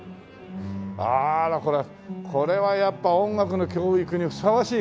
あらこれはやっぱ音楽の教育にふさわしい環境ですよね。